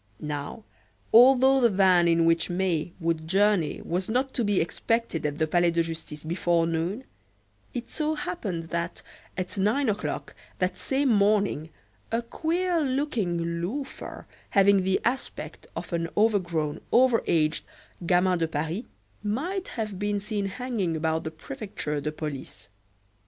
Now, although the van in which May would journey was not to be expected at the Palais de Justice before noon, it so happened that at nine o'clock that same morning a queer looking "loafer" having the aspect of an overgrown, overaged "gamin de Paris" might have been seen hanging about the Prefecture de Police.